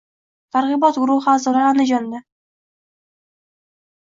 Targ‘ibot guruhi a’zolari Andijonda